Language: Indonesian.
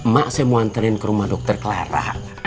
mak saya mau anterin ke rumah dokter clara